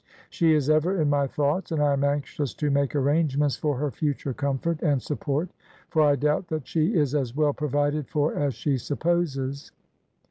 She is ever in my thoughts, and I am anxious to make arrangements for her future comfort and support, for I doubt that she is as well provided for as she supposes.